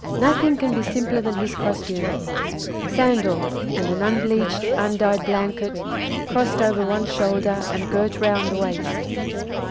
Nothing can be simpler than his costume—sandals, and an unbleached, undyed blanket, crossed over one shoulder and girt round the waist.